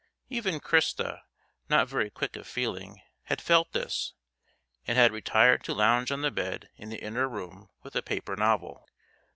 Even Christa, not very quick of feeling, had felt this, and had retired to lounge on the bed in the inner room with a paper novel.